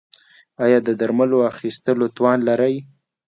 ایا د درملو اخیستلو توان لرئ؟